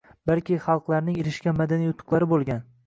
Balki xalqlarning erishgan madaniy yutuqlari bo'lgan.